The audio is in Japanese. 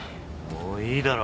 もういいだろ。